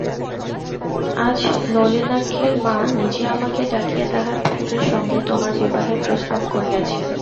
আজ নলিনাক্ষের মা নিজে আমাকে ডাকিয়া তাঁহার পুত্রের সঙ্গে তোমার বিবাহের প্রস্তাব করিয়াছেন।